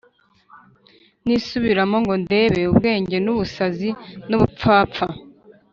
Nisubiramo ngo ndebe ubwenge n’ubusazi n’ubupfapfa